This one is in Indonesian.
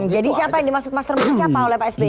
jadi siapa yang dimaksud mastermind siapa oleh pak sby